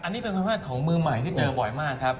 อันนี้เป็นคำพลาดของมือใหม่ที่เจอบ่อยมากครับ